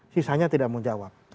sisanya tidak menjawab